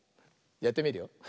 やってみるよ。